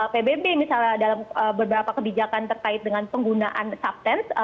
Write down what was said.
pbb misalnya dalam beberapa kebijakan terkait dengan penggunaan subtance